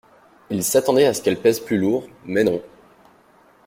Il s’attendait à ce qu’elle pèse plus lourd, mais non...